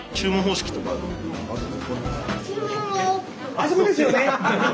あそこですよね。